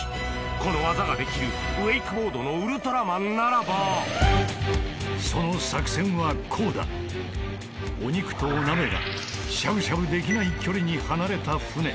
この技ができるウェイクボードのウルトラマンならばその作戦はこうだお肉とお鍋がしゃぶしゃぶできない距離に離れた船